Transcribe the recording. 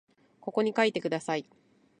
ここに書いてください